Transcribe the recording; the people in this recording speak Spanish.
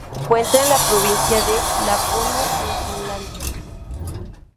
Se encuentra en la provincia de Laponia en Finlandia.